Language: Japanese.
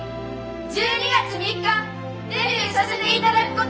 １２月３日デビューさせていただくことになりました！